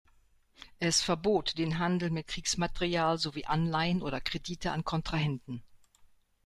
Es verbot den Handel mit Kriegsmaterial sowie Anleihen oder Kredite an Kontrahenten.